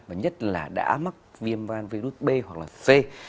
và nhất là đã mắc viêm gan virus b hoặc là c